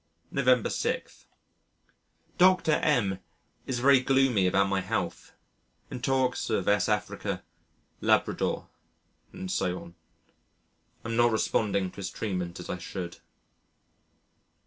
November 6. Doctor M is very gloomy about my health and talks of S. Africa, Labrador, and so on. I'm not responding to his treatment as I should.